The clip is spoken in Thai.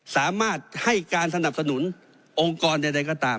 สามารถให้การสนับสนุนองค์กรใดก็ตาม